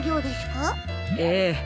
ええ。